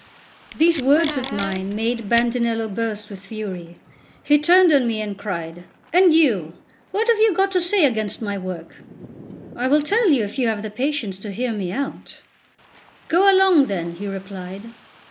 These words of mine made Bandinello burst with fury; he turned on me, and cried: "And you, what have you got to say against my work?" "I will tell you if you have the patience to hear me out." "Go along then," he replied.